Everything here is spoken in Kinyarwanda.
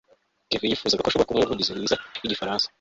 kevin yifuza ko ashobora kuba umuvugizi mwiza wigifaransa